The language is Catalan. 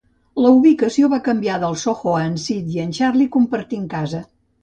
La ubicació va canviar del Soho a en Sid i en Charlie compartint casa.